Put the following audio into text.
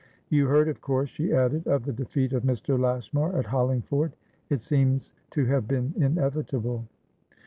"You heard, of course," she added, "of the defeat of Mr. Lashmar at Hollingford. It seems to have been inevitable."